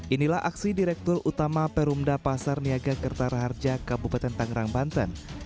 inilah aksi direktur utama perumda pasar niaga kertara harja kabupaten tangerang banten